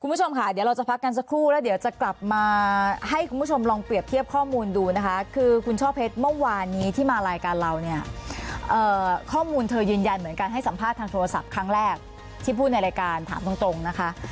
คุณผู้ชมค่ะเดี๋ยวเราจะพักกันสักครู่แล้วเดี๋ยวจะกลับมาให้คุณผู้ชมลองเปรียบเทียบข้อมูลดูนะคะคือคุณช่อเพชรเมื่อวานนี้ที่มารายการเราเนี่ยข้อมูลเธอยืนยันเหมือนกันให้สัมภาษณ์ทางโทรศัพท์ครั้งแรกที่พูดในรายการถามตรงนะคะ